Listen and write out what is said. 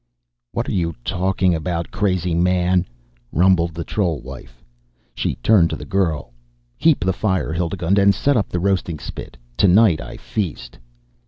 "What are you talking about, crazy man?" rumbled the troll wife. She turned to the girl. "Heap the fire, Hildigund, and set up the roasting spit. Tonight I feast!"